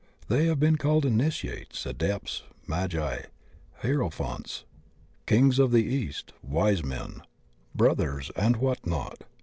They have been called Initiates, Adepts, Magi, Hierophants, Kings of the East, Wise Men, Brothers, and what not.